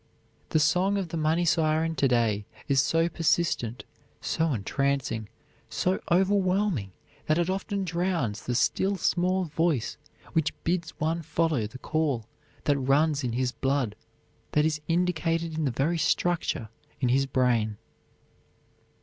The song of the money siren to day is so persistent, so entrancing, so overwhelming that it often drowns the still small voice which bids one follow the call that runs in his blood, that is indicated in the very structure in his brain.